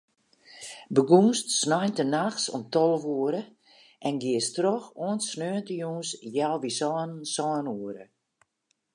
Begûnst sneintenachts om tolve oere en giest troch oant sneontejûns healwei sânen, sân oere.